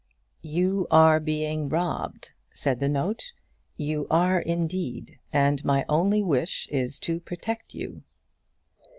"You are being robbed," said the note, "you are, indeed, and my only wish is to protect you."